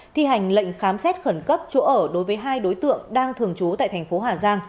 thi hành lệnh khám xét khẩn cấp chỗ ở đối với hai đối tượng